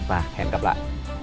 và hẹn gặp lại